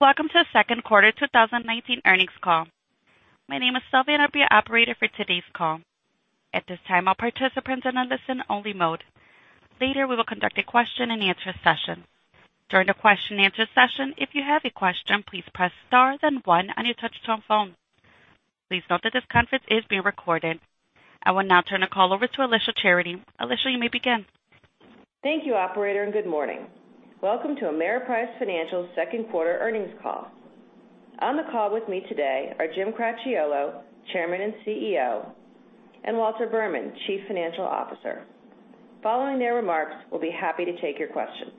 Welcome to the second quarter 2019 earnings call. My name is Sylvia, and I'll be your operator for today's call. At this time, all participants are in listen only mode. Later, we will conduct a question and answer session. During the question and answer session, if you have a question, please press star then one on your touch-tone phone. Please note that this conference is being recorded. I will now turn the call over to Alicia Charity. Alicia, you may begin. Thank you operator, and good morning. Welcome to Ameriprise Financial second quarter earnings call. On the call with me today are Jim Cracchiolo, Chairman and CEO, and Walter Berman, Chief Financial Officer. Following their remarks, we'll be happy to take your questions.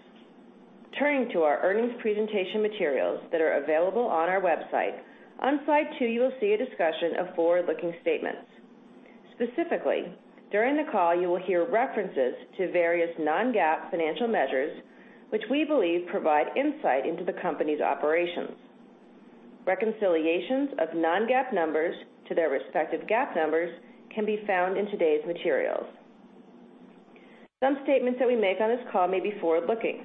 Turning to our earnings presentation materials that are available on our website. On slide two, you will see a discussion of forward-looking statements. Specifically, during the call, you will hear references to various non-GAAP financial measures, which we believe provide insight into the company's operations. Reconciliations of non-GAAP numbers to their respective GAAP numbers can be found in today's materials. Some statements that we make on this call may be forward-looking,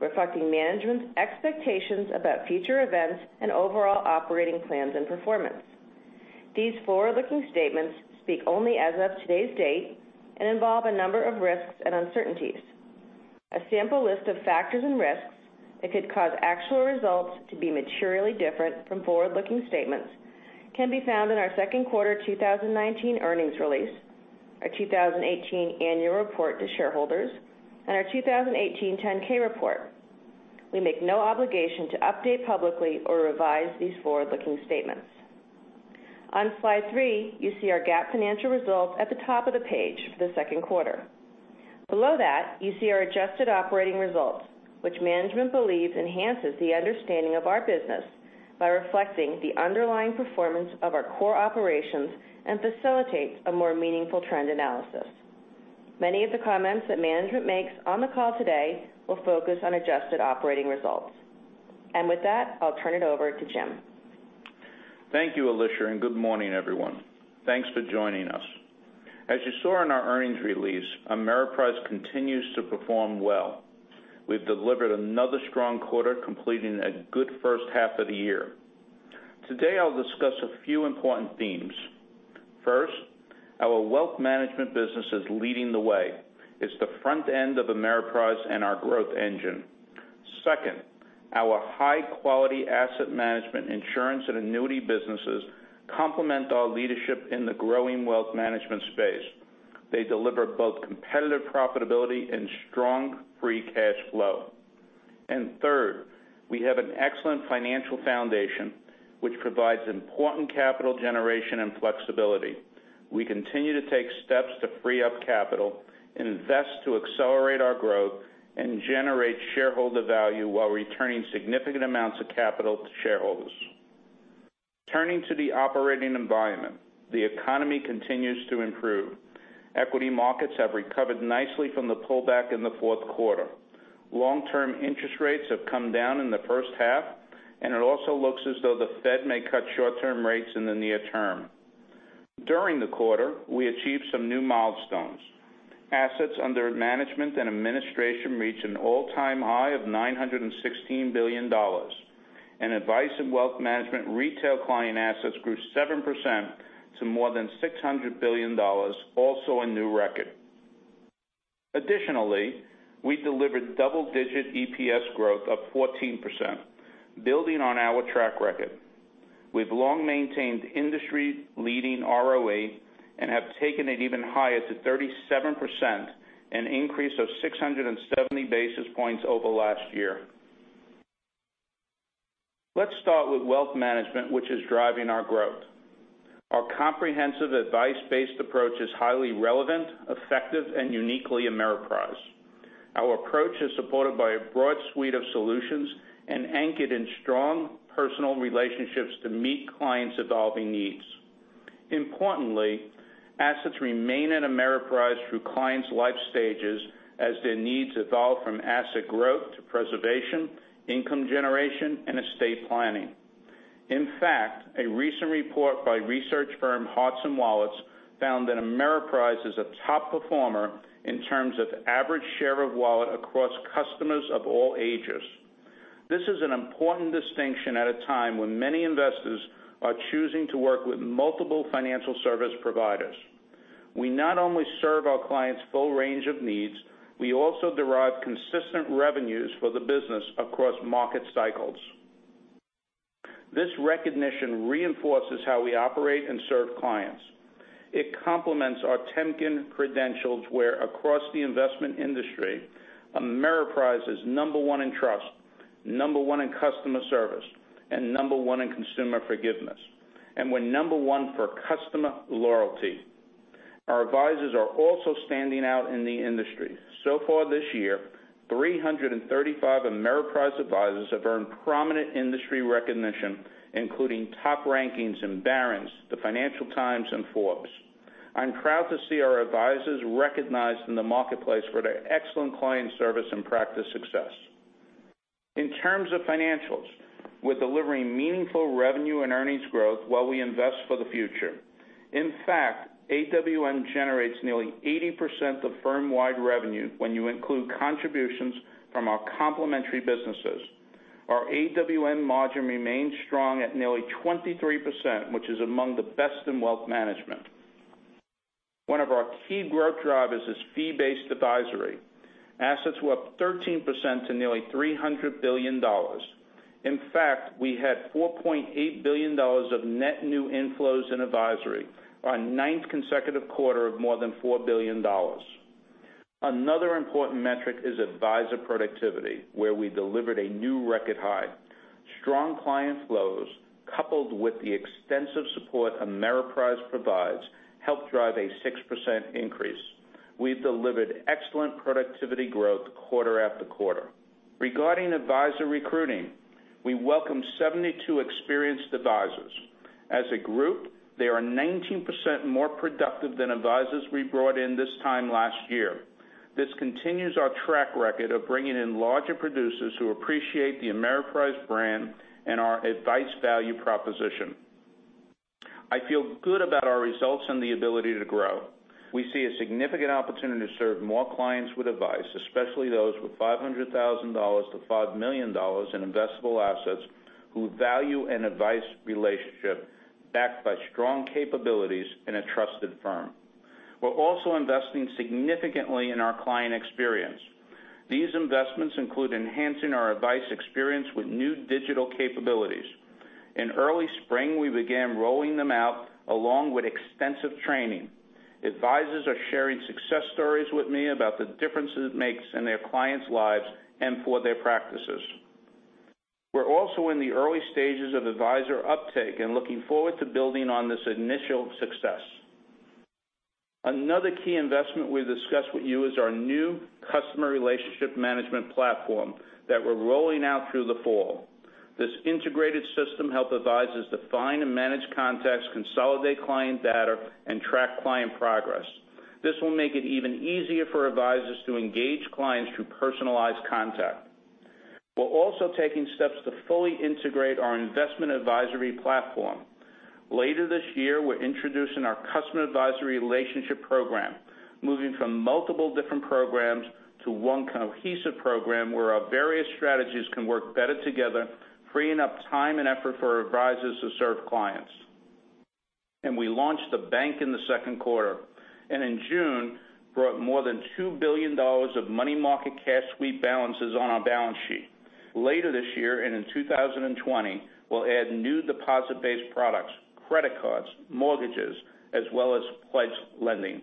reflecting management's expectations about future events and overall operating plans and performance. These forward-looking statements speak only as of today's date and involve a number of risks and uncertainties. A sample list of factors and risks that could cause actual results to be materially different from forward-looking statements can be found in our second quarter 2019 earnings release, our 2018 annual report to shareholders, and our 2018 10-K report. We make no obligation to update publicly or revise these forward-looking statements. On slide three, you see our GAAP financial results at the top of the page for the second quarter. Below that, you see our adjusted operating results, which management believes enhances the understanding of our business by reflecting the underlying performance of our core operations and facilitates a more meaningful trend analysis. Many of the comments that management makes on the call today will focus on adjusted operating results. With that, I'll turn it over to Jim. Thank you, Alicia, and good morning, everyone. Thanks for joining us. As you saw in our earnings release, Ameriprise continues to perform well. We've delivered another strong quarter, completing a good first half of the year. Today, I'll discuss a few important themes. First, our wealth management business is leading the way. It's the front end of Ameriprise and our growth engine. Second, our high-quality asset management, insurance, and annuity businesses complement our leadership in the growing wealth management space. They deliver both competitive profitability and strong free cash flow. Third, we have an excellent financial foundation, which provides important capital generation and flexibility. We continue to take steps to free up capital and invest to accelerate our growth and generate shareholder value while returning significant amounts of capital to shareholders. Turning to the operating environment, the economy continues to improve. Equity markets have recovered nicely from the pullback in the fourth quarter. Long-term interest rates have come down in the first half, and it also looks as though the Fed may cut short-term rates in the near term. During the quarter, we achieved some new milestones. Assets under management and administration reached an all-time high of $916 billion, and Advice & Wealth Management retail client assets grew 7% to more than $600 billion, also a new record. Additionally, we delivered double-digit EPS growth of 14%, building on our track record. We've long maintained industry-leading ROA and have taken it even higher to 37%, an increase of 670 basis points over last year. Let's start with wealth management, which is driving our growth. Our comprehensive advice-based approach is highly relevant, effective, and uniquely Ameriprise. Our approach is supported by a broad suite of solutions and anchored in strong personal relationships to meet clients' evolving needs. Importantly, assets remain at Ameriprise through clients' life stages as their needs evolve from asset growth to preservation, income generation, and estate planning. In fact, a recent report by research firm Hearts & Wallets found that Ameriprise is a top performer in terms of average share of wallet across customers of all ages. This is an important distinction at a time when many investors are choosing to work with multiple financial service providers. We not only serve our clients' full range of needs, we also derive consistent revenues for the business across market cycles. This recognition reinforces how we operate and serve clients. It complements our Temkin credentials where across the investment industry, Ameriprise is number one in trust, number one in customer service, and number one in consumer forgiveness. We're number one for customer loyalty. Our advisors are also standing out in the industry. So far this year, 335 Ameriprise advisors have earned prominent industry recognition, including top rankings in Barron's, the Financial Times, and Forbes. I'm proud to see our advisors recognized in the marketplace for their excellent client service and practice success. In terms of financials. We're delivering meaningful revenue and earnings growth while we invest for the future. In fact, AWM generates nearly 80% of firm-wide revenue when you include contributions from our complementary businesses. Our AWM margin remains strong at nearly 23%, which is among the best in wealth management. One of our key growth drivers is fee-based advisory. Assets were up 13% to nearly $300 billion. In fact, we had $4.8 billion of net new inflows in advisory, our ninth consecutive quarter of more than $4 billion. Another important metric is advisor productivity, where we delivered a new record high. Strong client flows, coupled with the extensive support Ameriprise provides, helped drive a 6% increase. We've delivered excellent productivity growth quarter after quarter. Regarding advisor recruiting, we welcomed 72 experienced advisors. As a group, they are 19% more productive than advisors we brought in this time last year. This continues our track record of bringing in larger producers who appreciate the Ameriprise brand and our advice value proposition. I feel good about our results and the ability to grow. We see a significant opportunity to serve more clients with advice, especially those with $500,000-$5 million in investable assets who value an advice relationship backed by strong capabilities and a trusted firm. We're also investing significantly in our client experience. These investments include enhancing our advice experience with new digital capabilities. In early spring, we began rolling them out, along with extensive training. Advisors are sharing success stories with me about the difference it makes in their clients' lives and for their practices. We're also in the early stages of advisor uptake and looking forward to building on this initial success. Another key investment we discussed with you is our new customer relationship management platform that we're rolling out through the fall. This integrated system helps advisors define and manage contacts, consolidate client data, and track client progress. This will make it even easier for advisors to engage clients through personalized contact. We're also taking steps to fully integrate our investment advisory platform. Later this year, we're introducing our customer advisory relationship program, moving from multiple different programs to one cohesive program where our various strategies can work better together, freeing up time and effort for advisors to serve clients. We launched the bank in the second quarter, and in June, brought more than $2 billion of money market cash sweep balances on our balance sheet. Later this year, and in 2020, we'll add new deposit-based products, credit cards, mortgages, as well as pledge lending.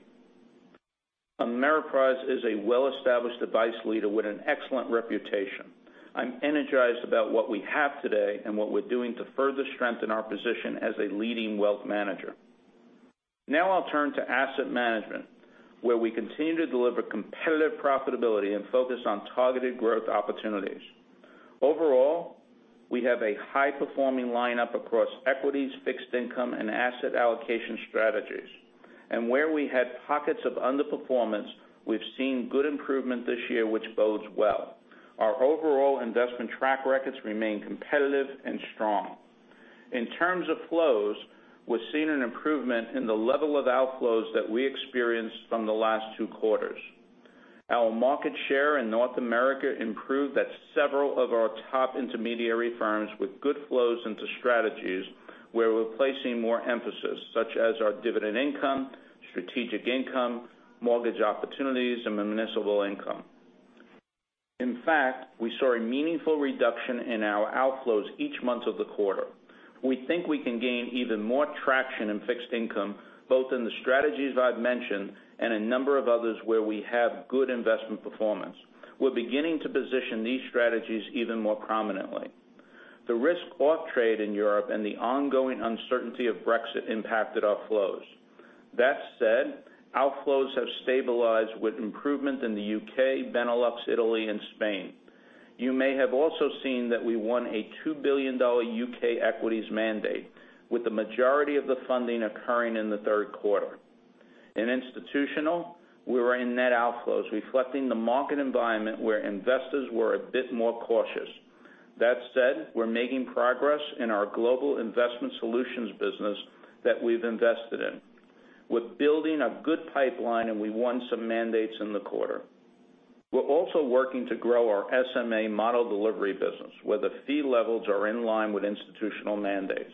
Ameriprise is a well-established advice leader with an excellent reputation. I'm energized about what we have today and what we're doing to further strengthen our position as a leading wealth manager. I'll turn to asset management, where we continue to deliver competitive profitability and focus on targeted growth opportunities. Overall, we have a high-performing lineup across equities, fixed income, and asset allocation strategies. Where we had pockets of underperformance, we've seen good improvement this year, which bodes well. Our overall investment track records remain competitive and strong. In terms of flows, we've seen an improvement in the level of outflows that we experienced from the last two quarters. Our market share in North America improved at several of our top intermediary firms with good flows into strategies where we're placing more emphasis, such as our dividend income, strategic income, mortgage opportunities, and municipal income. In fact, we saw a meaningful reduction in our outflows each month of the quarter. We think we can gain even more traction in fixed income, both in the strategies I've mentioned and a number of others where we have good investment performance. We're beginning to position these strategies even more prominently. The risk-off trade in Europe and the ongoing uncertainty of Brexit impacted outflows. That said, outflows have stabilized with improvement in the U.K., Benelux, Italy, and Spain. You may have also seen that we won a $2 billion U.K. equities mandate, with the majority of the funding occurring in the third quarter. In institutional, we were in net outflows, reflecting the market environment where investors were a bit more cautious. That said, we're making progress in our global investment solutions business that we've invested in. We're building a good pipeline, and we won some mandates in the quarter. We're also working to grow our SMA model delivery business, where the fee levels are in line with institutional mandates.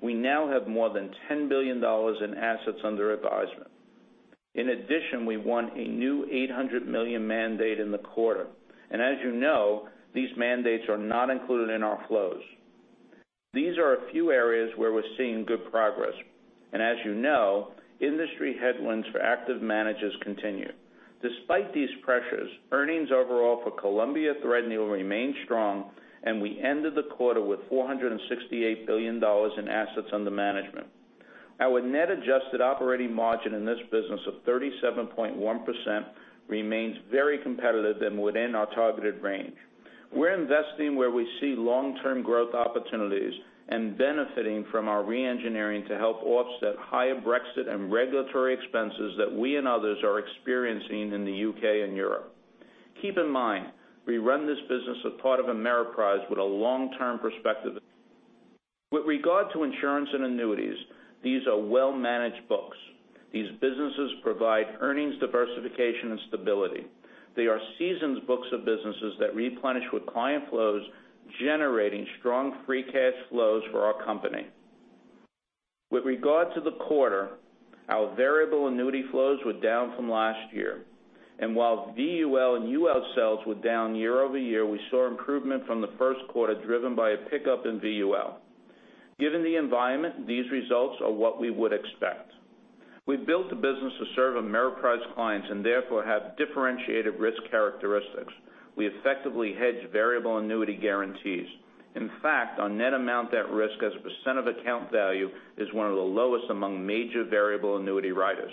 We now have more than $10 billion in assets under advisement. In addition, we won a new $800 million mandate in the quarter. As you know, these mandates are not included in our flows. These are a few areas where we're seeing good progress. As you know, industry headwinds for active managers continue. Despite these pressures, earnings overall for Columbia Threadneedle remain strong, and we ended the quarter with $468 billion in assets under management. Our net adjusted operating margin in this business of 37.1% remains very competitive and within our targeted range. We're investing where we see long-term growth opportunities and benefiting from our re-engineering to help offset higher Brexit and regulatory expenses that we and others are experiencing in the U.K. and Europe. Keep in mind, we run this business as part of Ameriprise with a long-term perspective. With regard to insurance and annuities, these are well-managed books. These businesses provide earnings diversification and stability. They are seasoned books of businesses that replenish with client flows, generating strong free cash flows for our company. With regard to the quarter, our variable annuity flows were down from last year. While VUL and UL sales were down year-over-year, we saw improvement from the first quarter driven by a pickup in VUL. Given the environment, these results are what we would expect. We've built the business to serve Ameriprise clients and therefore have differentiated risk characteristics. We effectively hedge variable annuity guarantees. In fact, our net amount at risk as a % of account value is one of the lowest among major variable annuity writers.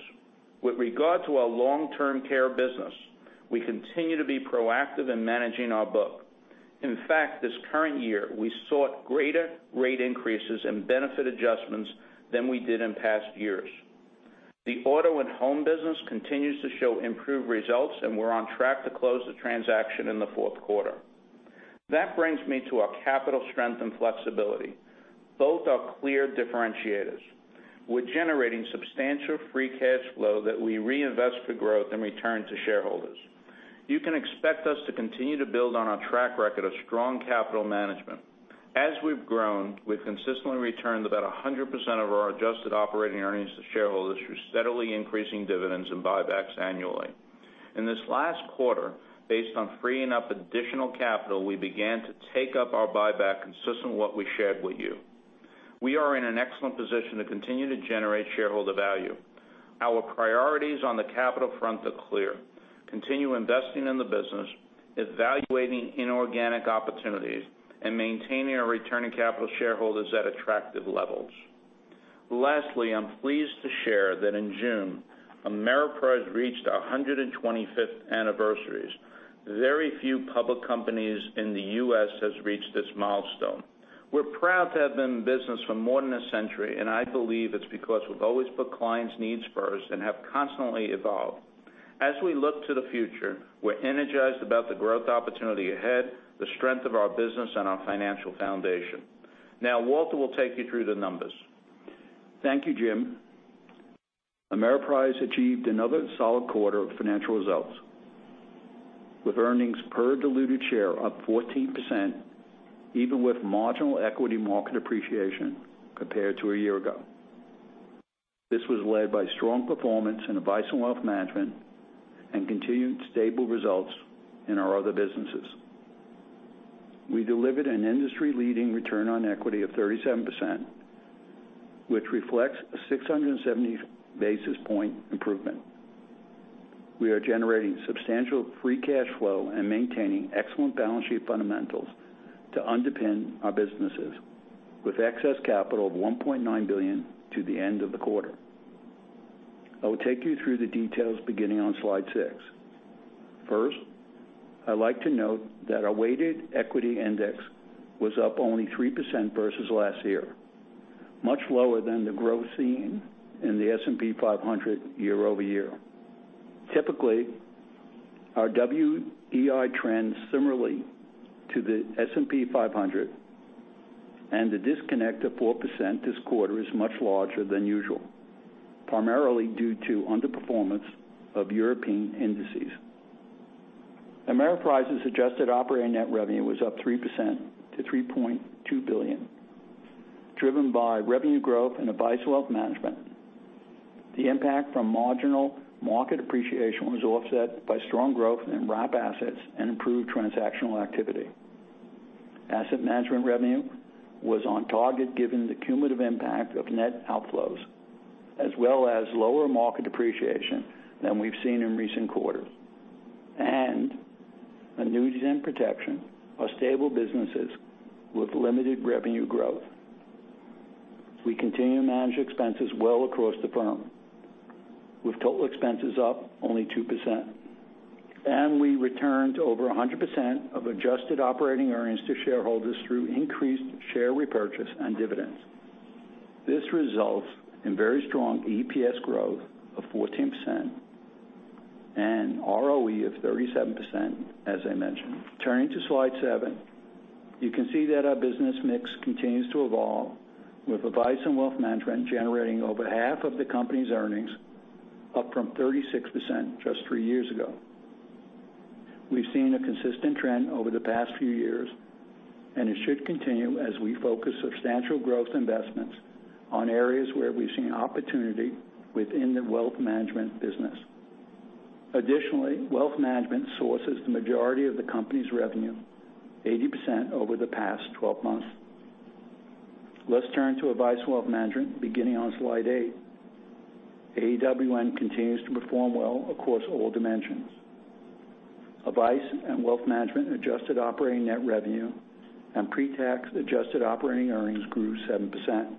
With regard to our long-term care business, we continue to be proactive in managing our book. In fact, this current year, we sought greater rate increases and benefit adjustments than we did in past years. The auto and home business continues to show improved results, and we're on track to close the transaction in the fourth quarter. That brings me to our capital strength and flexibility. Both are clear differentiators. We're generating substantial free cash flow that we reinvest for growth and return to shareholders. You can expect us to continue to build on our track record of strong capital management. As we've grown, we've consistently returned about 100% of our adjusted operating earnings to shareholders through steadily increasing dividends and buybacks annually. In this last quarter, based on freeing up additional capital, we began to take up our buyback consistent with what we shared with you. We are in an excellent position to continue to generate shareholder value. Our priorities on the capital front are clear. Continue investing in the business, evaluating inorganic opportunities, and maintaining our return on capital shareholders at attractive levels. Lastly, I'm pleased to share that in June, Ameriprise reached 125th anniversaries. Very few public companies in the U.S. has reached this milestone. We're proud to have been in business for more than a century, and I believe it's because we've always put clients' needs first and have constantly evolved. As we look to the future, we're energized about the growth opportunity ahead, the strength of our business and our financial foundation. Now Walter will take you through the numbers. Thank you, Jim. Ameriprise achieved another solid quarter of financial results, with earnings per diluted share up 14%, even with marginal equity market appreciation compared to a year ago. This was led by strong performance in Advice & Wealth Management and continued stable results in our other businesses. We delivered an industry-leading return on equity of 37%, which reflects a 670 basis point improvement. We are generating substantial free cash flow and maintaining excellent balance sheet fundamentals to underpin our businesses with excess capital of $1.9 billion to the end of the quarter. I will take you through the details beginning on slide six. First, I'd like to note that our weighted equity index was up only 3% versus last year, much lower than the growth seen in the S&P 500 year-over-year. Typically, our WEI trends similarly to the S&P 500, and the disconnect of 4% this quarter is much larger than usual, primarily due to underperformance of European indices. Ameriprise's adjusted operating net revenue was up 3% to $3.2 billion, driven by revenue growth in Advice & Wealth Management. The impact from marginal market appreciation was offset by strong growth in wrap assets and improved transactional activity. Asset management revenue was on target given the cumulative impact of net outflows, as well as lower market depreciation than we've seen in recent quarters. Annuities and protection are stable businesses with limited revenue growth. We continue to manage expenses well across the firm, with total expenses up only 2%. We returned over 100% of adjusted operating earnings to shareholders through increased share repurchase and dividends. This results in very strong EPS growth of 14% and ROE of 37%, as I mentioned. Turning to slide seven, you can see that our business mix continues to evolve, with Advice & Wealth Management generating over half of the company's earnings, up from 36% just three years ago. We've seen a consistent trend over the past few years, and it should continue as we focus substantial growth investments on areas where we've seen opportunity within the wealth management business. Additionally, wealth management sources the majority of the company's revenue, 80% over the past 12 months. Let's turn to Advice & Wealth Management beginning on slide eight. AWM continues to perform well across all dimensions. Advice & Wealth Management adjusted operating net revenue and pre-tax adjusted operating earnings grew 7%.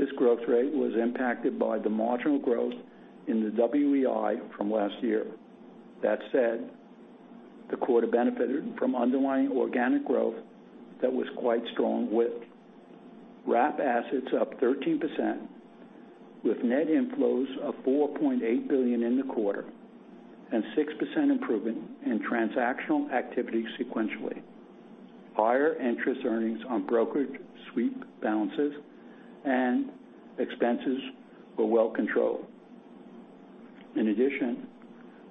This growth rate was impacted by the marginal growth in the WEI from last year. That said, the quarter benefited from underlying organic growth that was quite strong with wrap assets up 13%, with net inflows of $4.8 billion in the quarter and 6% improvement in transactional activity sequentially. Higher interest earnings on brokerage sweep balances and expenses were well controlled. In addition,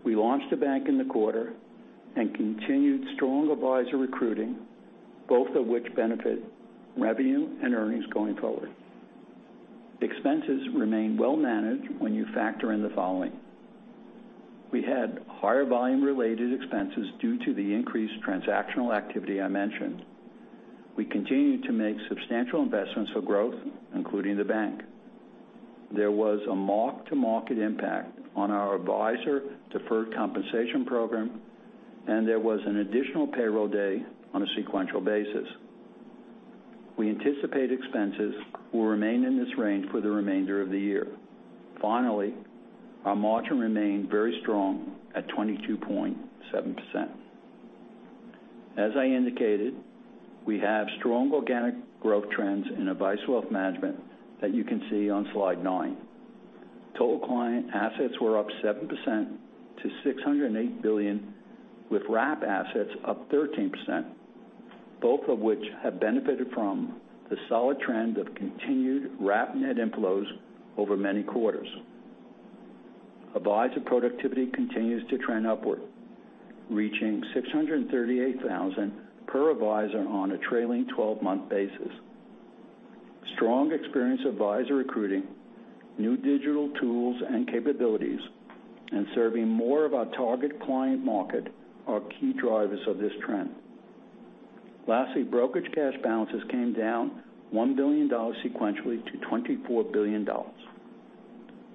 we launched a bank in the quarter and continued strong advisor recruiting, both of which benefit revenue and earnings going forward. Expenses remain well managed when you factor in the following. We had higher volume-related expenses due to the increased transactional activity I mentioned. We continue to make substantial investments for growth, including the bank. There was a mark-to-market impact on our advisor deferred compensation program, and there was an additional payroll day on a sequential basis. We anticipate expenses will remain in this range for the remainder of the year. Finally, our margin remained very strong at 22.7%. As I indicated, we have strong organic growth trends in Advice & Wealth Management that you can see on slide nine. Total client assets were up 7% to $608 billion, with wrap assets up 13%, both of which have benefited from the solid trend of continued wrap net inflows over many quarters. Advisor productivity continues to trend upward, reaching $638,000 per advisor on a trailing 12-month basis. Strong experienced advisor recruiting, new digital tools and capabilities, and serving more of our target client market are key drivers of this trend. Brokerage cash balances came down $1 billion sequentially to $24 billion.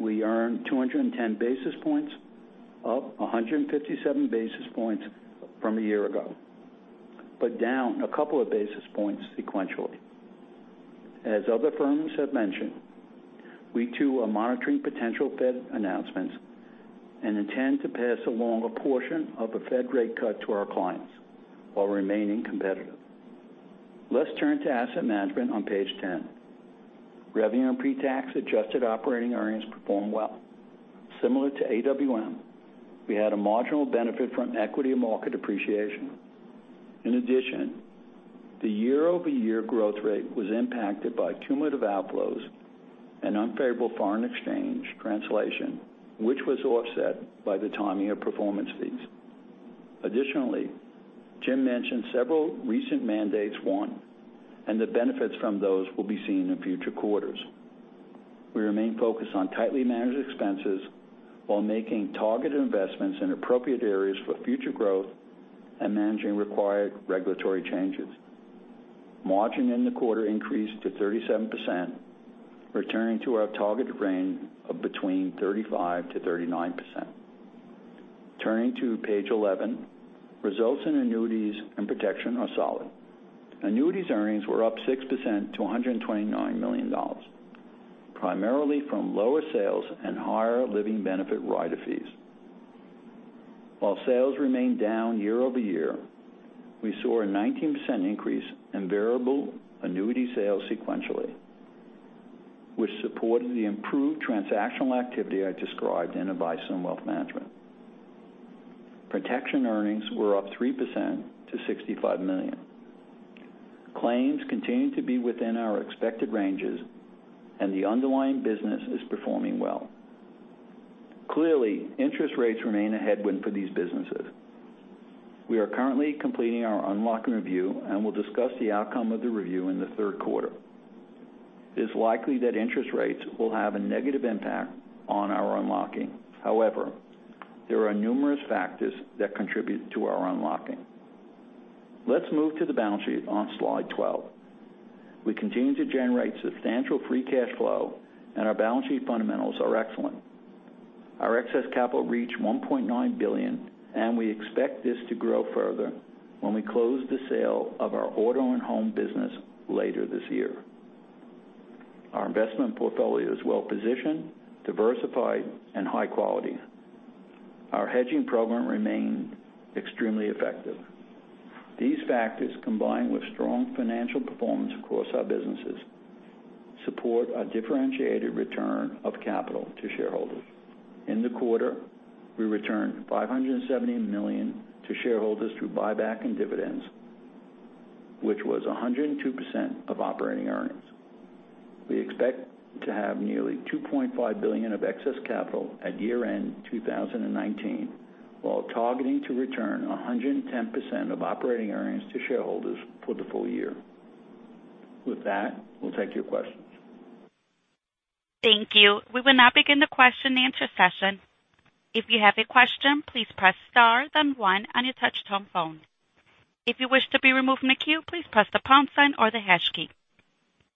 We earned 210 basis points, up 157 basis points from a year ago, but down a couple of basis points sequentially. As other firms have mentioned, we too are monitoring potential Fed announcements and intend to pass along a portion of a Fed rate cut to our clients while remaining competitive. Let's turn to asset management on page 10. Revenue and pre-tax adjusted operating earnings performed well. Similar to AWM, we had a marginal benefit from equity market appreciation. In addition, the year-over-year growth rate was impacted by cumulative outflows and unfavorable foreign exchange translation, which was offset by the timing of performance fees. Jim mentioned several recent mandates won, and the benefits from those will be seen in future quarters. We remain focused on tightly managed expenses while making targeted investments in appropriate areas for future growth and managing required regulatory changes. Margin in the quarter increased to 37%, returning to our targeted range of between 35%-39%. Turning to page 11, results in annuities and protection are solid. Annuities earnings were up 6% to $129 million, primarily from lower sales and higher living benefit rider fees. While sales remained down year-over-year, we saw a 19% increase in variable annuity sales sequentially, which supported the improved transactional activity I described in Advice & Wealth Management. Protection earnings were up 3% to $65 million. Claims continue to be within our expected ranges, and the underlying business is performing well. Clearly, interest rates remain a headwind for these businesses. We are currently completing our unlocking review and will discuss the outcome of the review in the third quarter. It is likely that interest rates will have a negative impact on our unlocking. There are numerous factors that contribute to our unlocking. Let's move to the balance sheet on slide 12. We continue to generate substantial free cash flow. Our balance sheet fundamentals are excellent. Our excess capital reached $1.9 billion, and we expect this to grow further when we close the sale of our Auto & Home business later this year. Our investment portfolio is well-positioned, diversified, and high quality. Our hedging program remained extremely effective. These factors, combined with strong financial performance across our businesses, support a differentiated return of capital to shareholders. In the quarter, we returned $570 million to shareholders through buyback and dividends, which was 102% of operating earnings. We expect to have nearly $2.5 billion of excess capital at year-end 2019, while targeting to return 110% of operating earnings to shareholders for the full year. We'll take your questions. Thank you. We will now begin the question and answer session. If you have a question, please press star, then one on your touch-tone phone. If you wish to be removed from the queue, please press the pound sign or the hash key.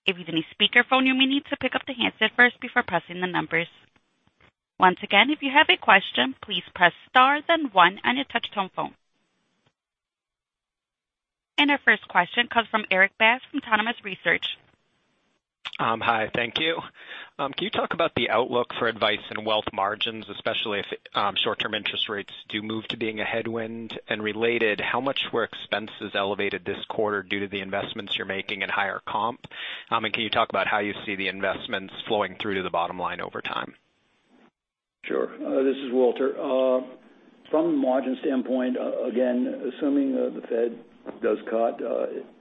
If you're on a speakerphone, you may need to pick up the handset first before pressing the numbers. Once again, if you have a question, please press star, then one on your touch-tone phone. Our first question comes from Erik Bass from Autonomous Research. Hi, thank you. Can you talk about the outlook for Advice & Wealth margins, especially if short-term interest rates do move to being a headwind? Related, how much were expenses elevated this quarter due to the investments you're making in higher comp? Can you talk about how you see the investments flowing through to the bottom line over time? Sure. This is Walter. From the margin standpoint, again, assuming the Fed does cut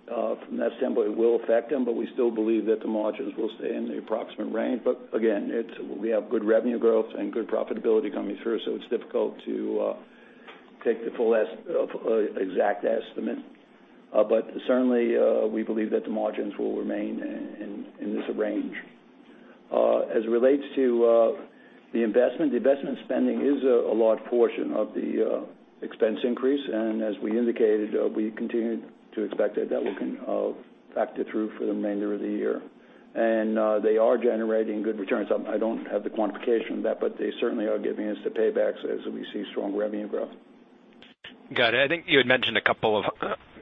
from that standpoint, it will affect them, but we still believe that the margins will stay in the approximate range. Again, we have good revenue growth and good profitability coming through. It's difficult to take the full exact estimate. Certainly, we believe that the margins will remain in this range. As it relates to the investment, the investment spending is a large portion of the expense increase, and as we indicated, we continue to expect that that will factor through for the remainder of the year. They are generating good returns. I don't have the quantification of that, but they certainly are giving us the paybacks as we see strong revenue growth. Got it. I think you had mentioned a couple of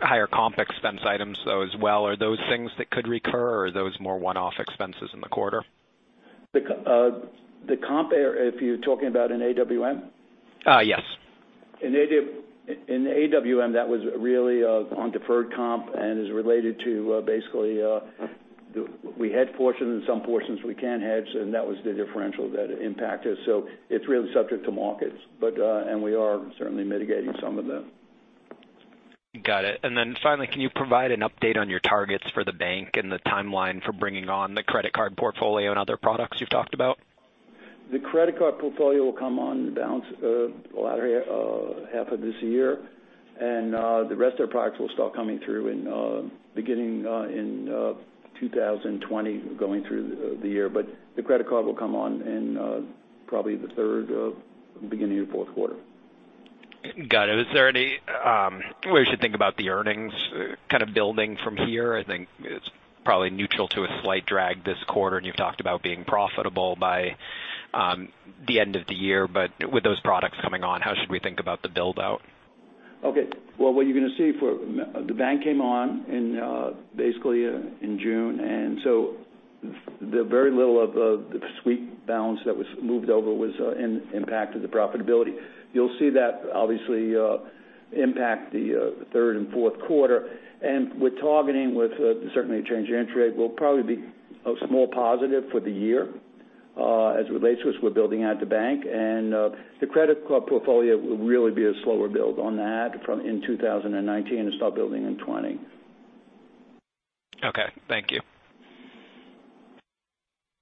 higher comp expense items, though, as well. Are those things that could recur, or are those more one-off expenses in the quarter? The comp, if you're talking about in AWM? Yes. In AWM, that was really on deferred comp and is related to basically, we hedge portions and some portions we can't hedge, and that was the differential that impacted us. It's really subject to markets. We are certainly mitigating some of that. Got it. Then finally, can you provide an update on your targets for the bank and the timeline for bringing on the credit card portfolio and other products you've talked about? The credit card portfolio will come on the latter half of this year, and the rest of the products will start coming through beginning in 2020 going through the year. The credit card will come on in probably the third, beginning of fourth quarter. Got it. We should think about the earnings kind of building from here. I think it's probably neutral to a slight drag this quarter, and you've talked about being profitable by the end of the year. With those products coming on, how should we think about the build-out? Okay. What you're going to see, the bank came on basically in June, the very little of the sweep balance that was moved over impacted the profitability. You'll see that obviously impact the third and fourth quarter. We're targeting with certainly a change in interest rate will probably be a small positive for the year as it relates to us with building out the bank. The credit card portfolio will really be a slower build on that in 2019 and start building in 2020. Okay, thank you.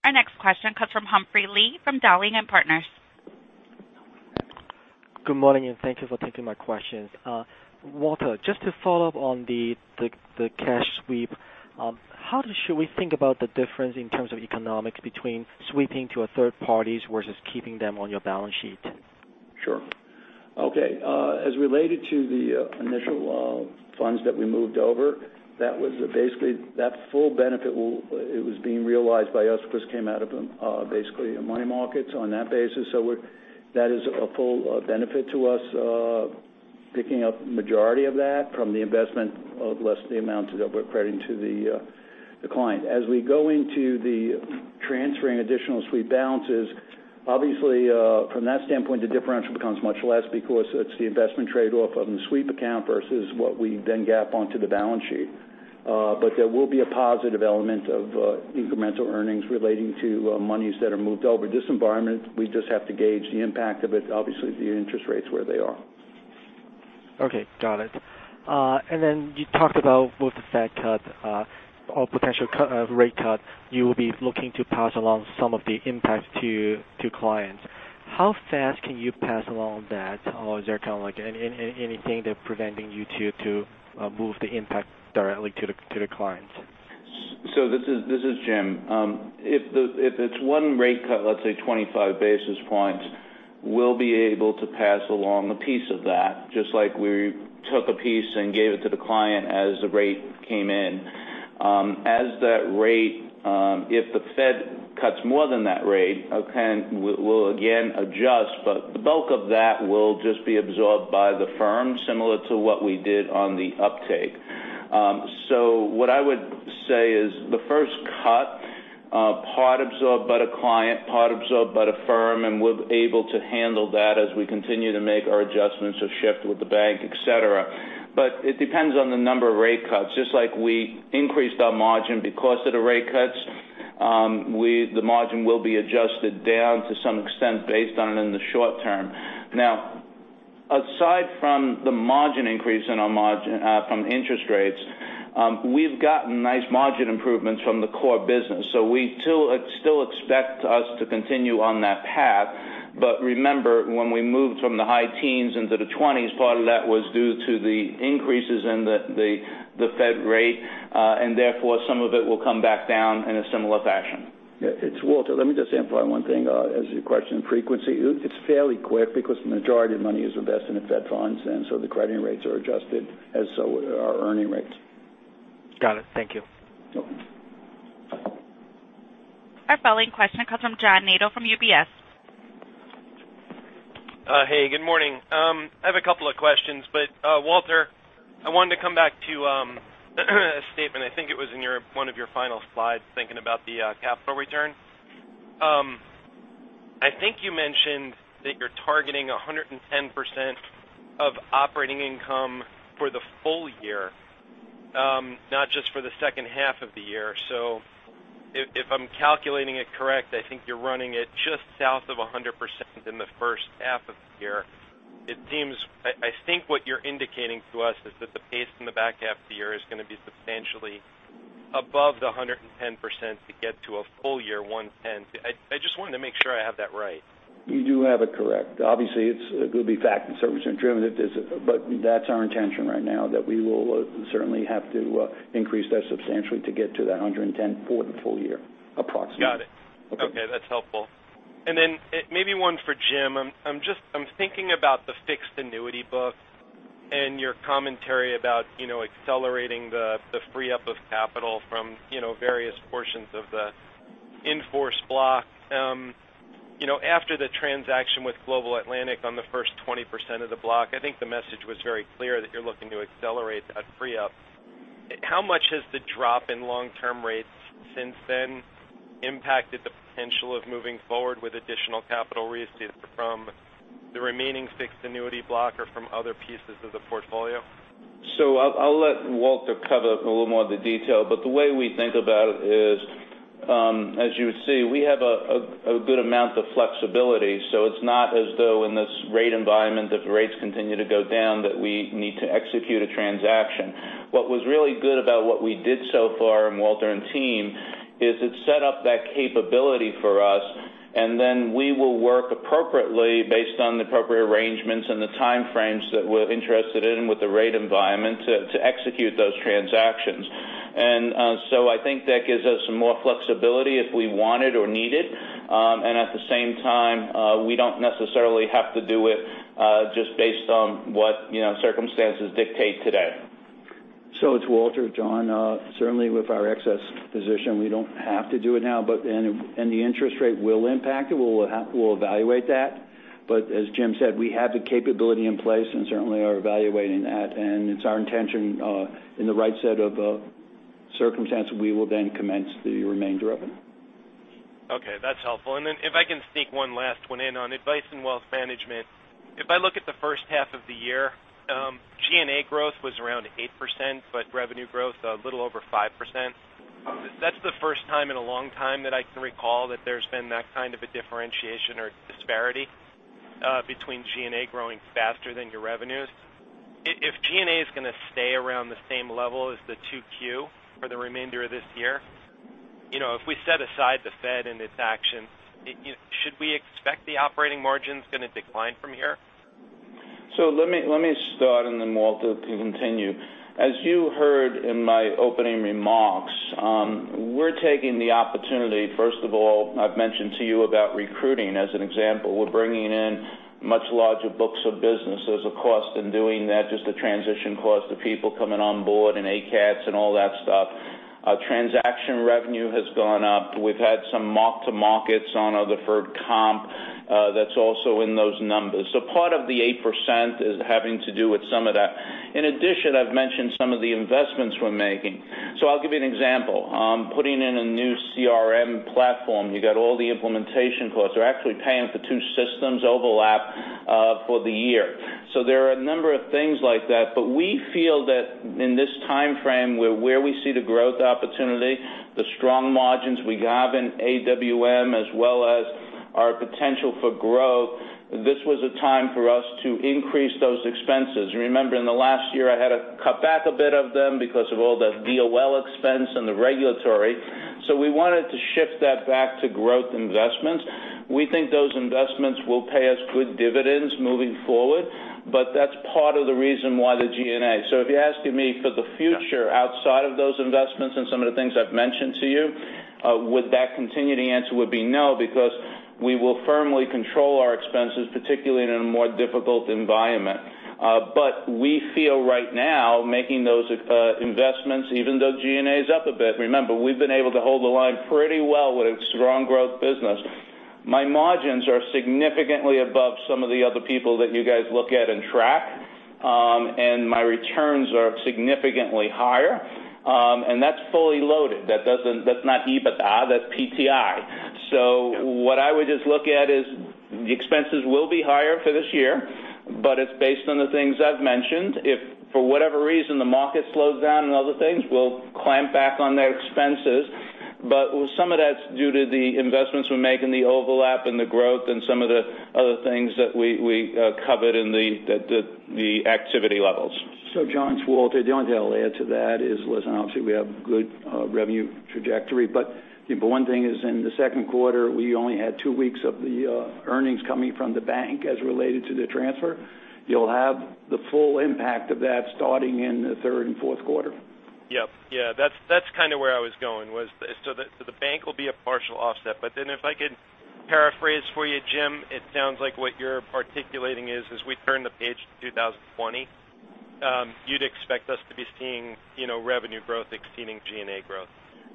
Our next question comes from Humphrey Lee from Dowling & Partners. Good morning, and thank you for taking my questions. Walter, just to follow up on the cash sweep, how should we think about the difference in terms of economics between sweeping to a third party versus keeping them on your balance sheet? Sure. Okay. As related to the initial funds that we moved over, that full benefit, it was being realized by us because it came out of basically money markets on that basis. That is a full benefit to us, picking up majority of that from the investment of less the amount that we're crediting to the client. As we go into the transferring additional sweep balances, obviously from that standpoint, the differential becomes much less because it's the investment trade-off on the sweep account versus what we then gap onto the balance sheet. There will be a positive element of incremental earnings relating to monies that are moved over. This environment, we just have to gauge the impact of it. Obviously, the interest rates where they are. Okay, got it. You talked about both the Fed cut or potential rate cut, you will be looking to pass along some of the impact to clients. How fast can you pass along that? Is there anything preventing you to move the impact directly to the clients? This is Jim. If it's one rate cut, let's say 25 basis points, we'll be able to pass along a piece of that, just like we took a piece and gave it to the client as the rate came in. If the Fed cuts more than that rate, okay, we'll again adjust, the bulk of that will just be absorbed by the firm, similar to what we did on the uptake. What I would say is the first cut, part absorbed by the client, part absorbed by the firm, and we're able to handle that as we continue to make our adjustments or shift with the bank, et cetera. It depends on the number of rate cuts. Just like we increased our margin because of the rate cuts, the margin will be adjusted down to some extent based on it in the short term. Aside from the margin increase from interest rates, we've gotten nice margin improvements from the core business. We still expect us to continue on that path. Remember, when we moved from the high teens into the 20s, part of that was due to the increases in the Fed rate. Therefore, some of it will come back down in a similar fashion. It's Walter. Let me just amplify one thing as your question on frequency. It's fairly quick because the majority of money is invested in Fed funds, and so the crediting rates are adjusted as so are our earning rates. Got it. Thank you. Sure. Our following question comes from John Nadel from UBS. Hey, good morning. I have a couple of questions. Walter, I wanted to come back to a statement. I think it was in one of your final slides, thinking about the capital return. I think you mentioned that you're targeting 110% of operating income for the full year. Not just for the second half of the year. If I'm calculating it correct, I think you're running it just south of 100% in the first half of the year. I think what you're indicating to us is that the pace in the back half of the year is going to be substantially above the 110% to get to a full year 110. I just wanted to make sure I have that right. You do have it correct. Obviously, it will be fact and service driven, that's our intention right now, that we will certainly have to increase that substantially to get to that 110 for the full year approximately. Got it. Okay. Okay, that's helpful. Maybe one for Jim. I'm thinking about the fixed annuity book and your commentary about accelerating the free-up of capital from various portions of the in-force block. After the transaction with Global Atlantic on the first 20% of the block, I think the message was very clear that you're looking to accelerate that free-up. How much has the drop in long-term rates since then impacted the potential of moving forward with additional capital receipts from the remaining fixed annuity block or from other pieces of the portfolio? I'll let Walter cover a little more of the detail, but the way we think about it is, as you see, we have a good amount of flexibility. It's not as though in this rate environment, if rates continue to go down, that we need to execute a transaction. What was really good about what we did so far, and Walter and team, is it set up that capability for us, we will work appropriately based on the appropriate arrangements and the time frames that we're interested in with the rate environment to execute those transactions. I think that gives us some more flexibility if we want it or need it. At the same time, we don't necessarily have to do it just based on what circumstances dictate today. It's Walter. John, certainly with our excess position, we don't have to do it now, and the interest rate will impact it. We'll evaluate that. As Jim said, we have the capability in place and certainly are evaluating that, it's our intention in the right set of circumstances, we will commence the remainder of it. Okay, that's helpful. If I can sneak one last one in on Advice & Wealth Management. If I look at the first half of the year, G&A growth was around 8%, revenue growth a little over 5%. That's the first time in a long time that I can recall that there's been that kind of a differentiation or disparity between G&A growing faster than your revenues. If G&A is going to stay around the same level as the 2Q for the remainder of this year, if we set aside the Fed and its actions, should we expect the operating margins going to decline from here? Let me start, then Walter can continue. As you heard in my opening remarks, we're taking the opportunity. First of all, I've mentioned to you about recruiting as an example. We're bringing in much larger books of business. There's a cost in doing that, just the transition cost of people coming on board and ACATS and all that stuff. Transaction revenue has gone up. We've had some mark-to-markets on deferred comp that's also in those numbers. Part of the 8% is having to do with some of that. In addition, I've mentioned some of the investments we're making. I'll give you an example. Putting in a new CRM platform, you got all the implementation costs. We're actually paying for two systems overlap for the year. There are a number of things like that. We feel that in this time frame where we see the growth opportunity, the strong margins we have in AWM as well as our potential for growth, this was a time for us to increase those expenses. Remember, in the last year, I had to cut back a bit of them because of all the DOL expense and the regulatory. We wanted to shift that back to growth investments. We think those investments will pay us good dividends moving forward, but that's part of the reason why the G&A. If you're asking me for the future outside of those investments and some of the things I've mentioned to you, would that continue? The answer would be no, because we will firmly control our expenses, particularly in a more difficult environment. We feel right now making those investments, even though G&A is up a bit, remember, we've been able to hold the line pretty well with a strong growth business. My margins are significantly above some of the other people that you guys look at and track. My returns are significantly higher. That's fully loaded. That's not EBITDA, that's PTI. What I would just look at is the expenses will be higher for this year, but it's based on the things I've mentioned. If for whatever reason the market slows down and other things, we'll clamp back on their expenses. Some of that's due to the investments we make in the overlap and the growth and some of the other things that we covered in the activity levels. John, it's Walter. The only thing I'll add to that is, listen, obviously we have good revenue trajectory, the one thing is in the second quarter, we only had two weeks of the earnings coming from the bank as related to the transfer. You'll have the full impact of that starting in the third and fourth quarter. Yep. Yeah, that's kind of where I was going was the bank will be a partial offset. If I could paraphrase for you, Jim, it sounds like what you're articulating is as we turn the page to 2020 you'd expect us to be seeing revenue growth exceeding G&A growth.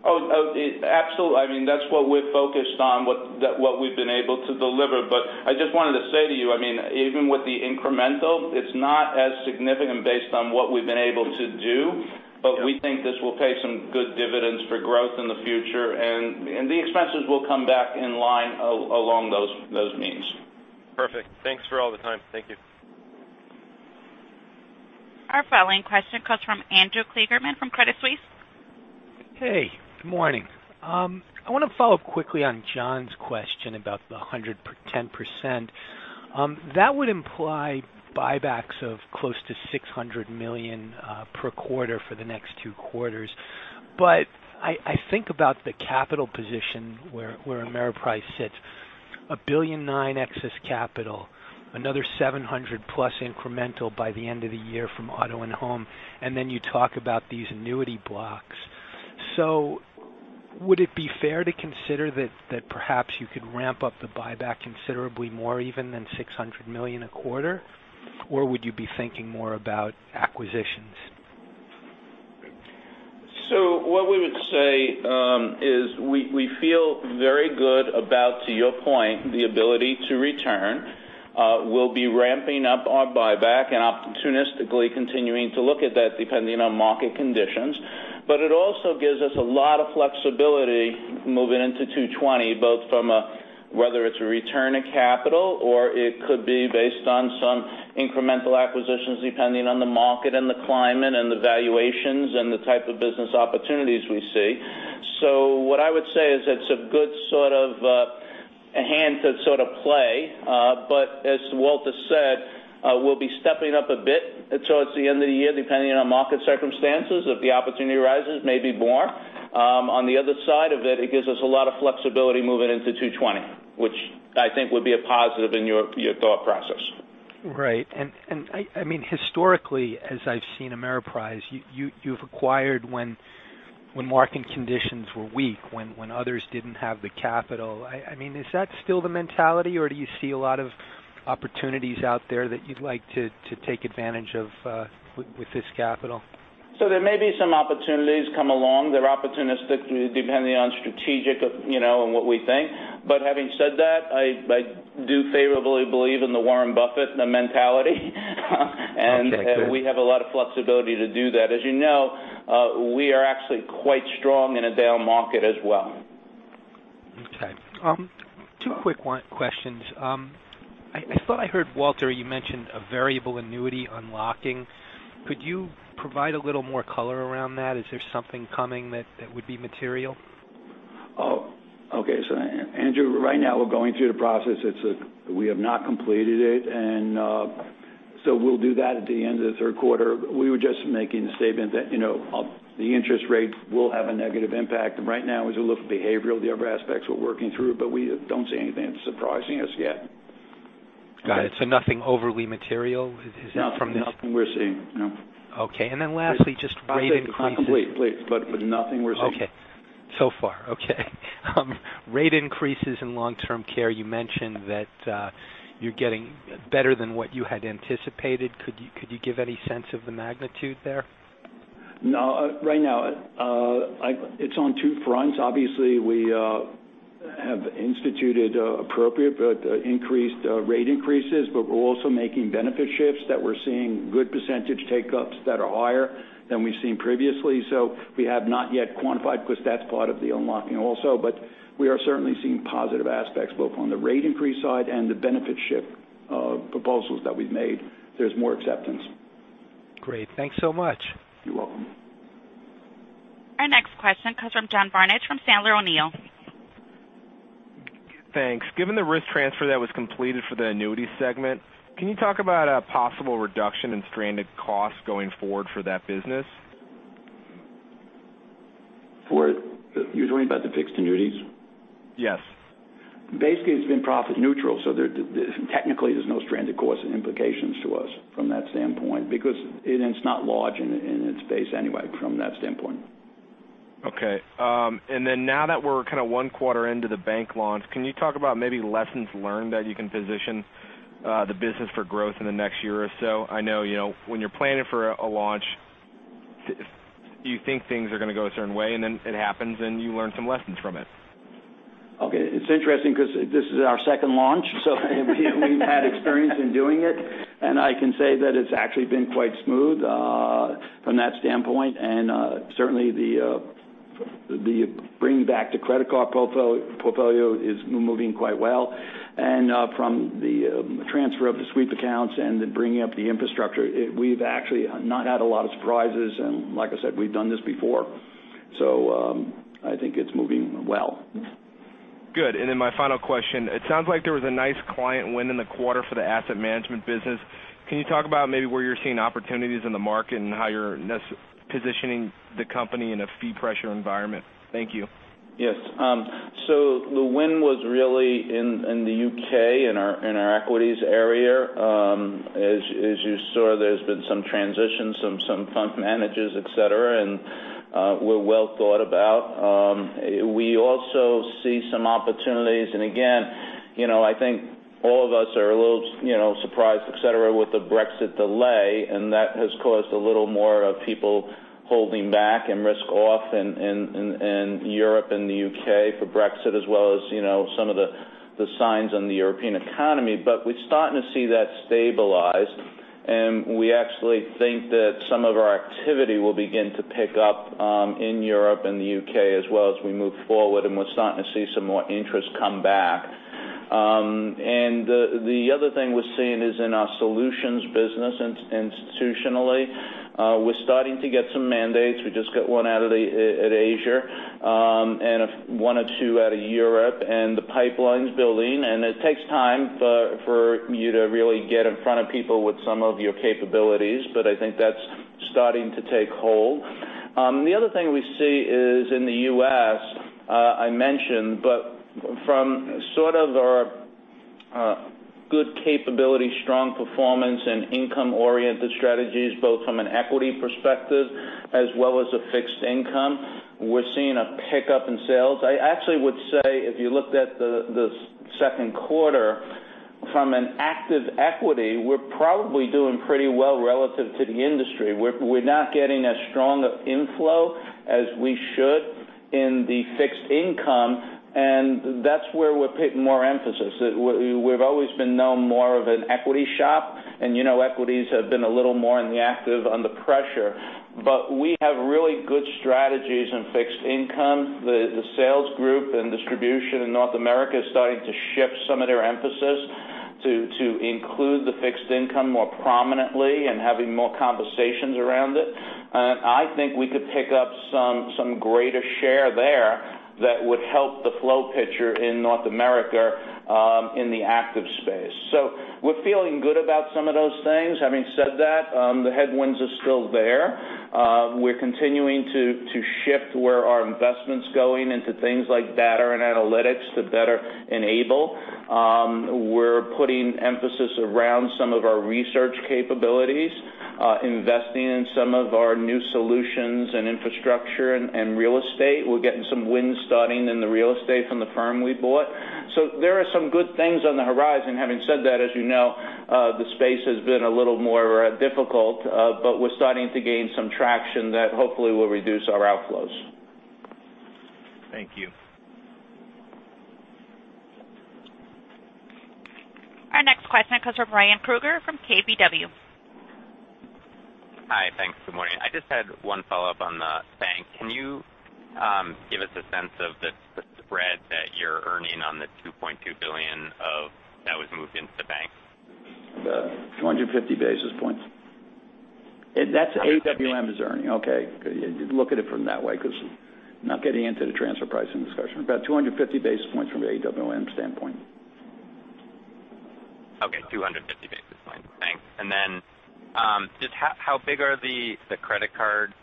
Oh, absolutely. I mean, that's what we're focused on, what we've been able to deliver. I just wanted to say to you, even with the incremental, it's not as significant based on what we've been able to do. We think this will pay some good dividends for growth in the future, and the expenses will come back in line along those means. Perfect. Thanks for all the time. Thank you. Our following question comes from Andrew Kligerman from Credit Suisse. Hey, good morning. I want to follow up quickly on John's question about the 110%. That would imply buybacks of close to $600 million per quarter for the next two quarters. I think about the capital position where Ameriprise sits, $1.9 billion excess capital, another $700+ million incremental by the end of the year from auto and home, and then you talk about these annuity blocks. Would it be fair to consider that perhaps you could ramp up the buyback considerably more even than $600 million a quarter? Would you be thinking more about acquisitions? What we would say is we feel very good about, to your point, the ability to return. We'll be ramping up our buyback and opportunistically continuing to look at that depending on market conditions. It also gives us a lot of flexibility moving into 2020, both from a whether it's a return of capital or it could be based on some incremental acquisitions, depending on the market and the climate and the valuations and the type of business opportunities we see. What I would say is it's a good hand to play. As Walter said, we'll be stepping up a bit towards the end of the year, depending on market circumstances. If the opportunity arises, maybe more. On the other side of it gives us a lot of flexibility moving into 2020, which I think would be a positive in your thought process. Right. Historically, as I've seen Ameriprise, you've acquired when market conditions were weak, when others didn't have the capital. Is that still the mentality, or do you see a lot of opportunities out there that you'd like to take advantage of with this capital? There may be some opportunities come along. They're opportunistic depending on strategic and what we think. Having said that, I do favorably believe in the Warren Buffett mentality. Okay. Good. We have a lot of flexibility to do that. As you know, we are actually quite strong in a down market as well. Okay. Two quick questions. I thought I heard, Walter, you mentioned a variable annuity unlocking. Could you provide a little more color around that? Is there something coming that would be material? Oh, okay. Andrew, right now we're going through the process. We have not completed it, and so we'll do that at the end of the third quarter. We were just making the statement that the interest rate will have a negative impact. Right now, as you look behavioral, the other aspects we're working through, but we don't see anything surprising us yet. Got it. Nothing overly material from. Nothing we're seeing, no. Okay. Lastly, just rate increases. I'll say it's not complete, please, but nothing we're seeing. Okay. So far, okay. Rate increases in long-term care, you mentioned that you're getting better than what you had anticipated. Could you give any sense of the magnitude there? No. Right now, it's on two fronts. Obviously, we have instituted appropriate rate increases, but we're also making benefit shifts that we're seeing good percentage take-ups that are higher than we've seen previously. We have not yet quantified because that's part of the unlocking also. We are certainly seeing positive aspects both on the rate increase side and the benefit shift of proposals that we've made. There's more acceptance. Great. Thanks so much. You're welcome. Our next question comes from John Barnidge from Sandler O'Neill. Thanks. Given the risk transfer that was completed for the annuity segment, can you talk about a possible reduction in stranded costs going forward for that business? You're talking about the fixed annuities? Yes. Basically, it's been profit neutral, so technically there's no stranded cost implications to us from that standpoint because it is not large in its base anyway from that standpoint. Okay. Now that we're one quarter into the bank launch, can you talk about maybe lessons learned that you can position the business for growth in the next year or so? I know when you're planning for a launch, you think things are going to go a certain way, and then it happens, and you learn some lessons from it. Okay. It's interesting because this is our second launch, we've had experience in doing it, and I can say that it's actually been quite smooth from that standpoint. Certainly the bringing back the credit card portfolio is moving quite well. From the transfer of the sweep accounts and the bringing up the infrastructure, we've actually not had a lot of surprises. Like I said, we've done this before. I think it's moving well. Good. My final question. It sounds like there was a nice client win in the quarter for the asset management business. Can you talk about maybe where you're seeing opportunities in the market and how you're positioning the company in a fee pressure environment? Thank you. Yes. The win was really in the U.K. in our equities area. As you saw, there's been some transitions from some fund managers, et cetera, and we're well thought about. We also see some opportunities, and again, I think all of us are a little surprised, et cetera, with the Brexit delay, and that has caused a little more of people holding back and risk off in Europe and the U.K. for Brexit as well as some of the signs on the European economy. We're starting to see that stabilize. We actually think that some of our activity will begin to pick up in Europe and the U.K. as well as we move forward, and we're starting to see some more interest come back. The other thing we're seeing is in our solutions business, institutionally, we're starting to get some mandates. We just got one out of Asia, one or two out of Europe, the pipeline's building. It takes time for you to really get in front of people with some of your capabilities, but I think that's starting to take hold. The other thing we see is in the U.S., I mentioned, but from sort of our good capability, strong performance, and income-oriented strategies, both from an equity perspective as well as a fixed income, we're seeing a pickup in sales. I actually would say if you looked at the second quarter from an active equity, we're probably doing pretty well relative to the industry. We're not getting as strong of inflow as we should in the fixed income, that's where we're putting more emphasis. We've always been known more of an equity shop, equities have been a little more in the active under pressure. We have really good strategies in fixed income. The sales group and distribution in North America is starting to shift some of their emphasis to include the fixed income more prominently and having more conversations around it. I think we could pick up some greater share there that would help the flow picture in North America in the active space. We're feeling good about some of those things. Having said that, the headwinds are still there. We're continuing to shift where our investment's going into things like data and analytics to better enable. We're putting emphasis around some of our research capabilities, investing in some of our new solutions and infrastructure and real estate. We're getting some wins starting in the real estate from the firm we bought. There are some good things on the horizon. Having said that, as you know, the space has been a little more difficult. We're starting to gain some traction that hopefully will reduce our outflows. Thank you. Our next question comes from Ryan Krueger from KBW. Hi. Thanks. Good morning. I just had one follow-up on the bank. Can you give us a sense of the spread that you're earning on the $2.2 billion that was moved into the bank? About 250 basis points. That's AWM is earning. Okay. Look at it from that way because I'm not getting into the transfer pricing discussion. About 250 basis points from the AWM standpoint. Okay. 250 basis points. Thanks. Then, just how big are the credit card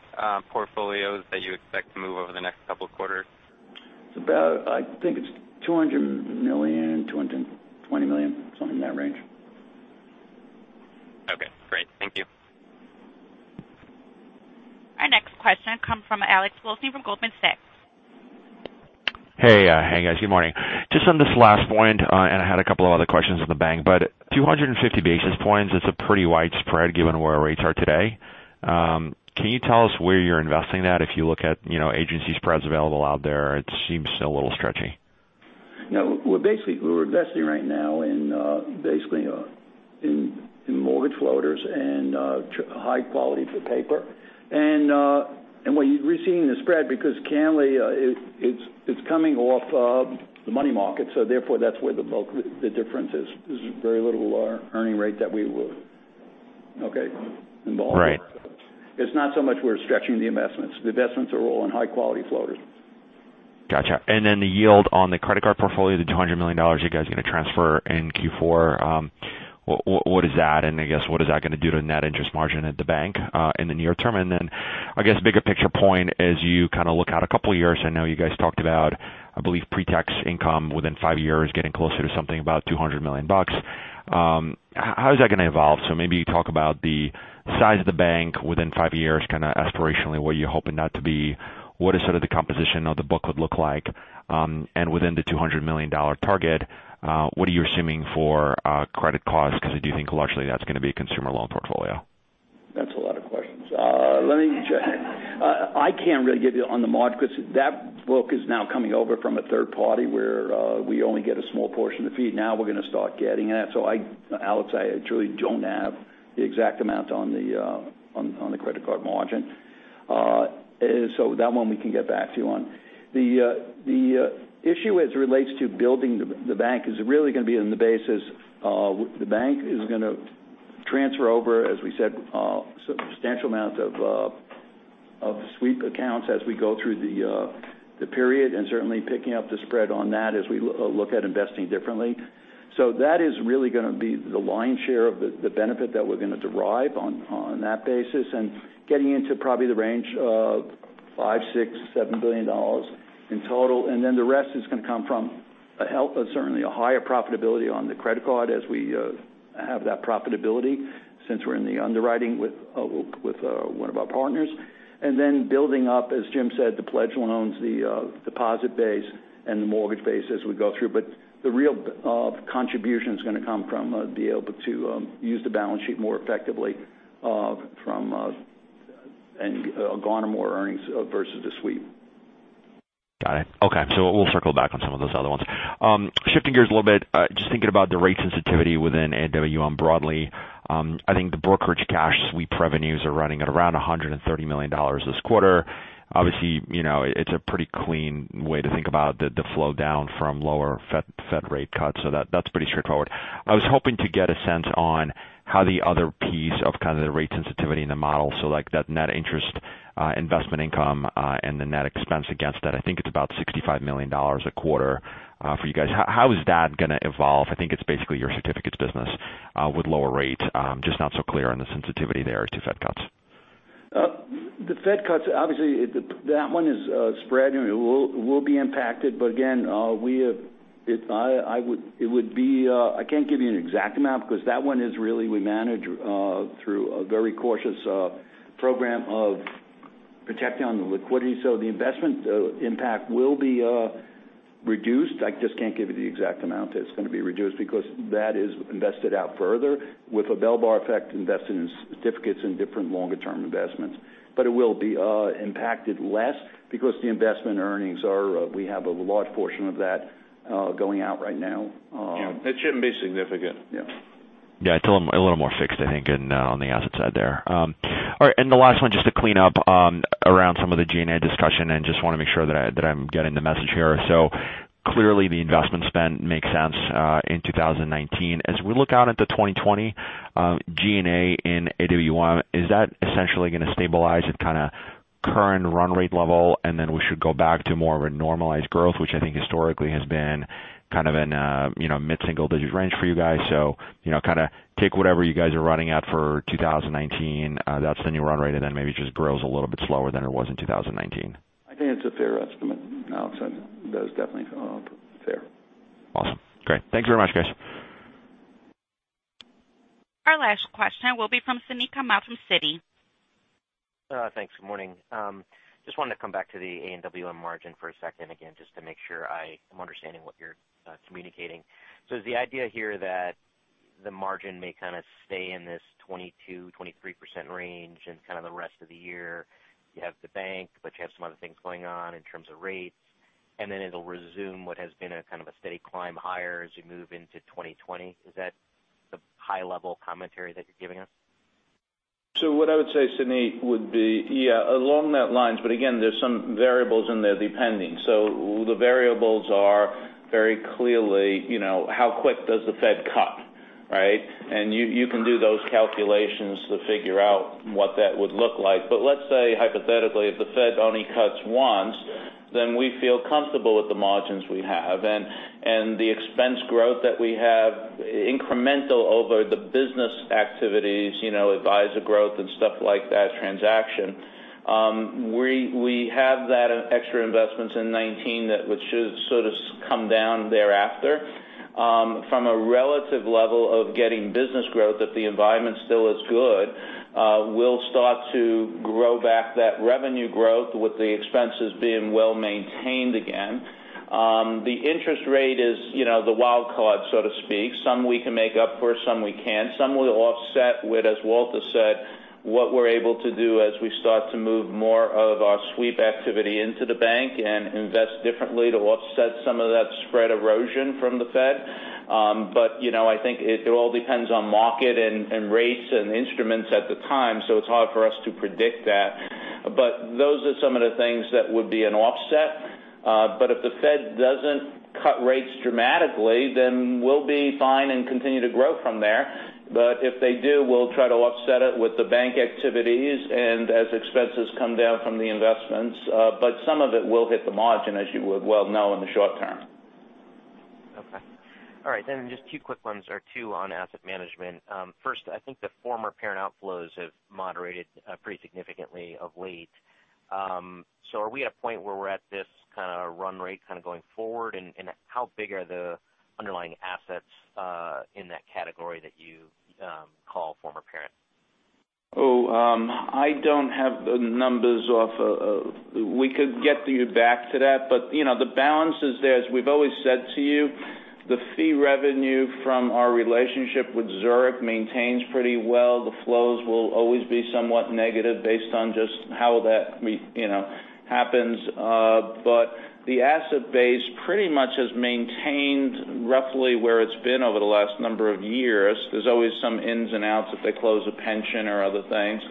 portfolios that you expect to move over the next couple of quarters? It's about, I think it's $200 million, $220 million, something in that range. Okay, great. Thank you. Our next question comes from Alex Blostein from Goldman Sachs. Hey. Hey, guys. Good morning. Just on this last point, I had a couple of other questions on the bank. 250 basis points is a pretty wide spread given where rates are today. Can you tell us where you're investing that? If you look at agency spreads available out there, it seems a little stretchy. No. Basically, we're investing right now in mortgage floaters and high quality for paper. We're seeing the spread because [inaudible] it's coming off the money market, therefore, that's where the bulk of the difference is. There's very little earning rate that we would involve. Right. It's not so much we're stretching the investments. The investments are all in high quality floaters. Got you. Then the yield on the credit card portfolio, the $200 million you guys are going to transfer in Q4, what is that? I guess what is that going to do to net interest margin at the bank in the near term? Then I guess bigger picture point as you kind of look out a couple of years, I know you guys talked about, I believe, pre-tax income within five years getting closer to something about $200 million. How is that going to evolve? Maybe talk about the size of the bank within five years, kind of aspirationally, where you're hoping that to be. What is sort of the composition of the book would look like? Within the $200 million target, what are you assuming for credit costs because I do think largely that's going to be a consumer loan portfolio. That's a lot of questions. Let me check. I can't really give you on the margin because that book is now coming over from a third party where we only get a small portion of the fee. Now we're going to start getting that. Alex, I truly don't have the exact amount on the credit card margin. Okay. That one we can get back to you on. The issue as it relates to building the bank is really going to be on the basis of the bank is going to transfer over, as we said, a substantial amount of the sweep accounts as we go through the period, and certainly picking up the spread on that as we look at investing differently. That is really going to be the lion's share of the benefit that we're going to derive on that basis, and getting into probably the range of $5 billion, $6 billion, $7 billion in total. The rest is going to come from certainly a higher profitability on the credit card as we have that profitability since we're in the underwriting with one of our partners. Building up, as Jim said, the pledge loans, the deposit base, and the mortgage base as we go through. The real contribution's going to come from being able to use the balance sheet more effectively from going to more earnings versus the sweep. Got it. Okay. We'll circle back on some of those other ones. Shifting gears a little bit, just thinking about the rate sensitivity within AWM broadly. I think the brokerage cash sweep revenues are running at around $130 million this quarter. Obviously, it's a pretty clean way to think about the flow down from lower Fed rate cuts, that's pretty straightforward. I was hoping to get a sense on how the other piece of kind of the rate sensitivity in the model, so like that net interest investment income, and the net expense against that, I think it's about $65 million a quarter for you guys. How is that going to evolve? I think it's basically your certificates business with lower rates. Just not so clear on the sensitivity there to Fed cuts. The Fed cuts, obviously, that one is spread and will be impacted. Again, I can't give you an exact amount because that one is really, we manage through a very cautious program of protecting on the liquidity. The investment impact will be reduced. I just can't give you the exact amount that it's going to be reduced because that is invested out further with a barbell effect invested in certificates and different longer-term investments. But it will be impacted less because the investment earnings We have a large portion of that going out right now. Yeah. It shouldn't be significant. Yeah. Yeah, it's a little more fixed, I think, on the asset side there. All right, the last one, just to clean up around some of the G&A discussion and just want to make sure that I'm getting the message here. Clearly the investment spend makes sense in 2019. As we look out at the 2020 G&A in AWM, is that essentially going to stabilize at kind of current run rate level, and then we should go back to more of a normalized growth, which I think historically has been kind of in mid-single digits range for you guys. Kind of take whatever you guys are running at for 2019, that's the new run rate, and then maybe it just grows a little bit slower than it was in 2019. I think it's a fair estimate, I would say. That is definitely fair. Awesome. Great. Thank you very much, guys. Our last question will be from Suneet Kamath from Citigroup. Thanks. Good morning. Just wanted to come back to the AWM margin for a second again, just to make sure I am understanding what you're communicating. Is the idea here that the margin may kind of stay in this 22%-23% range in kind of the rest of the year? You have the bank, you have some other things going on in terms of rates, it'll resume what has been a kind of a steady climb higher as you move into 2020. Is that the high-level commentary that you're giving us? What I would say, Suneet, would be, yeah, along that lines, again, there's some variables in there depending. The variables are very clearly, how quick does the Fed cut, right? You can do those calculations to figure out what that would look like. Let's say hypothetically, if the Fed only cuts once, we feel comfortable with the margins we have and the expense growth that we have incremental over the business activities, advisor growth and stuff like that, transaction. We have that extra investments in 2019 that would sort of come down thereafter. From a relative level of getting business growth if the environment still is good, we'll start to grow back that revenue growth with the expenses being well-maintained again. The interest rate is the wild card, so to speak. Some we can make up for, some we can't. Some we'll offset with, as Walter said, what we're able to do as we start to move more of our sweep activity into the bank and invest differently to offset some of that spread erosion from the Fed. I think it all depends on market and rates and instruments at the time, so it's hard for us to predict that. Those are some of the things that would be an offset. If the Fed doesn't cut rates dramatically, then we'll be fine and continue to grow from there. If they do, we'll try to offset it with the bank activities and as expenses come down from the investments. Some of it will hit the margin, as you would well know, in the short term. Okay. All right, just two quick ones or two on asset management. First, I think the former parent outflows have moderated pretty significantly of late. Are we at a point where we're at this kind of run rate kind of going forward? How big are the underlying assets in that category that you call former parent? I don't have the numbers off. We could get you back to that. The balance is there. As we've always said to you, the fee revenue from our relationship with Zurich maintains pretty well. The flows will always be somewhat negative based on just how that happens. The asset base pretty much has maintained roughly where it's been over the last number of years. There's always some ins and outs if they close a pension or other things.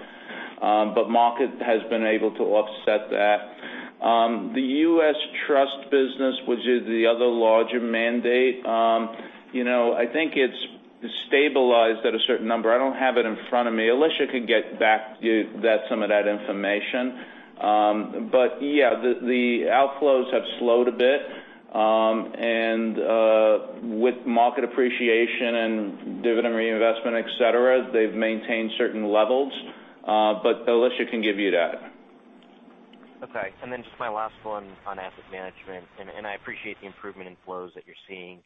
Market has been able to offset that. The U.S. trust business, which is the other larger mandate, I think it's stabilized at a certain number. I don't have it in front of me. Alicia could get back some of that information. Yeah, the outflows have slowed a bit. With market appreciation and dividend reinvestment, et cetera, they've maintained certain levels. Alicia can give you that. Okay. Just my last one on asset management, I appreciate the improvement in flows that you're seeing.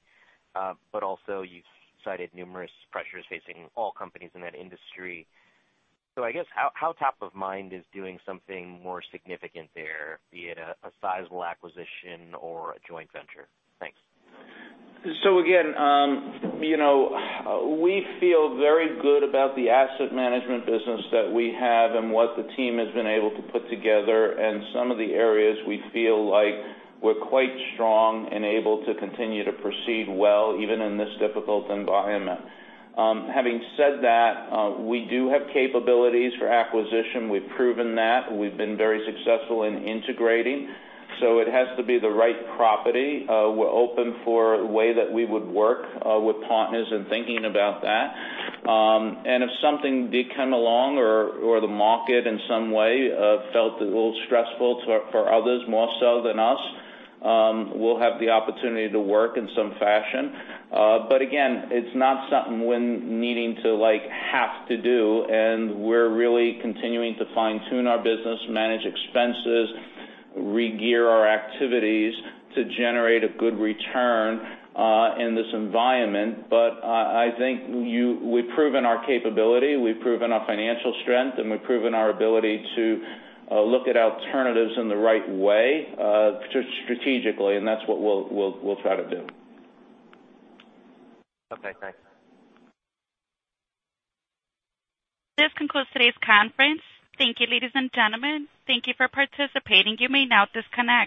Also you've cited numerous pressures facing all companies in that industry. I guess, how top of mind is doing something more significant there, be it a sizable acquisition or a joint venture? Thanks. Again, we feel very good about the asset management business that we have and what the team has been able to put together. Some of the areas we feel like we're quite strong and able to continue to proceed well, even in this difficult environment. Having said that, we do have capabilities for acquisition. We've proven that. We've been very successful in integrating. It has to be the right property. We're open for a way that we would work with partners in thinking about that. If something did come along or the market in some way felt a little stressful for others more so than us, we'll have the opportunity to work in some fashion. Again, it's not something we're needing to have to do, and we're really continuing to fine-tune our business, manage expenses, regear our activities to generate a good return in this environment. I think we've proven our capability, we've proven our financial strength, and we've proven our ability to look at alternatives in the right way strategically, and that's what we'll try to do. Okay, thanks. This concludes today's conference. Thank you, ladies and gentlemen. Thank you for participating. You may now disconnect.